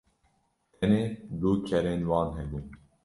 tenê du kerên wan hebûn